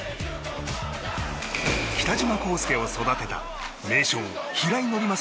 北島康介を育てた名将平井伯昌